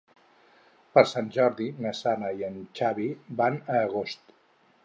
Per Sant Jordi na Sara i en Xavi van a Agost.